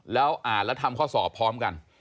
แล้วอ่านแล้วทำข้อสอบพร้อมกัน